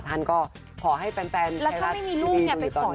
ถ้านก็ขอให้แฟนแฟนรัชคีมีอยู่ตอนนี้